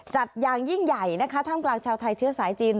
อย่างยิ่งใหญ่นะคะท่ามกลางชาวไทยเชื้อสายจีน